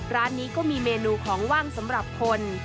ร้านนี้ก็มีเมนูของว่างสำหรับคน